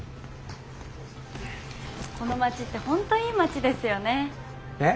この町って本当いい町ですよね。